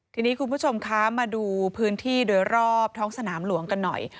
ทีนี้คุณผู้ชมคะมาดูพื้นที่โดยรอบท้องสนามหลวงกันหน่อย